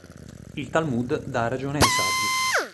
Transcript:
Il Talmud dà ragione ai saggi.